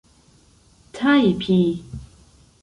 tajpi